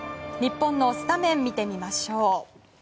日本のスタメンを見てみましょう。